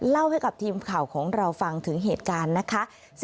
เล่าให้กับทีมข่าวของเราฟังถึงเหตุการณ์นะคะ